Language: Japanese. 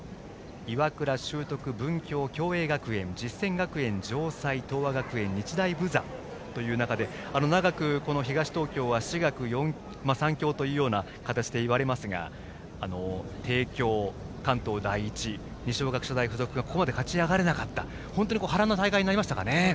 岩倉、修徳、文京、共栄学園実践学園、城西、東亜学園日大豊山という中で長く東東京は私学三強といわれていますが帝京、関東第一二松学舎大付属がここまで勝ち上がれなかった波乱の大会になりましたかね。